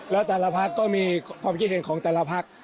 แล้วแต่ละพักก็มีความคิดเห็นของแต่ละพัก